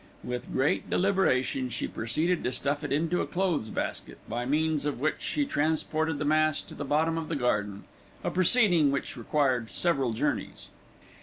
With great deliberation she proceeded to stuff it into a clothes basket, by means of which she transported the mass to the bottom of the garden, a proceeding which required several journeys.